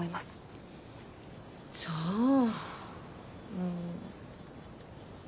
うん？